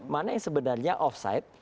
mana yang sebenarnya off site